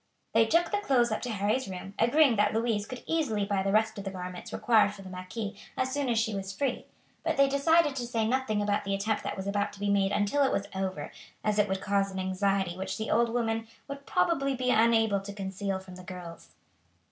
They took the clothes up to Harry's room, agreeing that Louise could easily buy the rest of the garments required for the marquise as soon as she was free, but they decided to say nothing about the attempt that was about to be made until it was over, as it would cause an anxiety which the old woman would probably be unable to conceal from the girls.